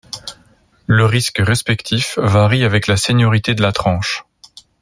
Le risque respectif varie avec la séniorité de la tranche.